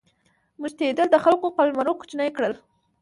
میشتېدل د خلکو قلمرو کوچني کړل.